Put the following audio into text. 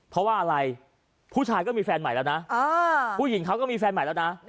เพราะว่าอะไรผู้ชายก็มีแฟนใหม่แล้วนะผู้หญิงเขาก็มีแฟนใหม่แล้วนะ